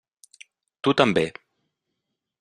Tu també.